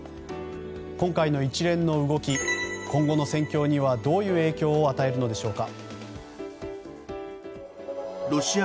今回の一連の動き今後の戦況にどういう影響を与えるのでしょうか。